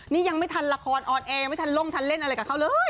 นี่ยังไม่ทันละครออนแอร์ยังไม่ทันลงทันเล่นอะไรกับเขาเลย